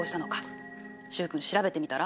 習君調べてみたら？